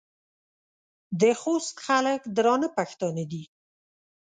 د خوست خلک درانه پښتانه دي.